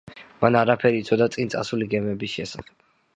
მან არაფერი იცოდა წინ წასული გემების შესახებ.